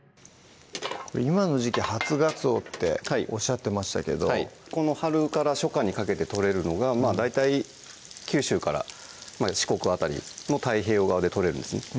今の時季初がつおっておっしゃってましたけどこの春から初夏にかけて取れるのが大体九州から四国辺りの太平洋側で取れるんですね